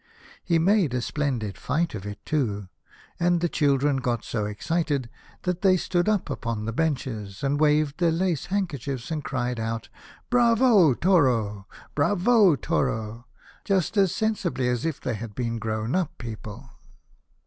He made a splendid fight of it too, and the children got so excited that they stood up upon the benches, and waved their lace handkerchiefs and cried out : Bravo toro ! Bravo toro! just as sensibly as if they had been grown up people.